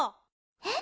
「えっ？」。